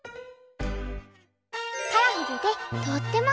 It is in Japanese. カラフルでとってもキュート。